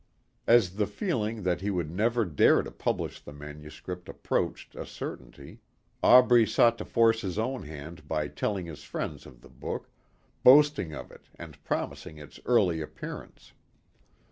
As the feeling that he would never dare to publish the manuscript approached a certainty, Aubrey sought to force his own hand by telling his friends of the book, boasting of it and promising its early appearance.